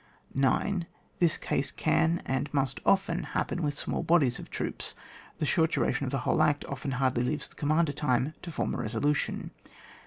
9. This case can and must often hap pen with small bodies of troops. The short duration of the whole act often hardly leaves the commander time to form a resolution.